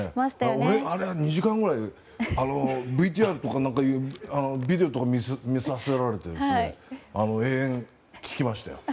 俺、あれは２時間くらいＶＴＲとか、ビデオとか見させられて延々と聞きましたよ。